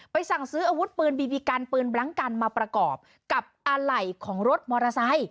สั่งซื้ออาวุธปืนบีบีกันปืนแบล็งกันมาประกอบกับอะไหล่ของรถมอเตอร์ไซค